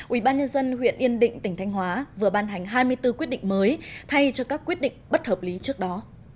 ubnd huyện yên định tỉnh thanh hóa vừa ban hành hai mươi bốn quyết định mới thay cho các quyết định bất hợp lý trước đó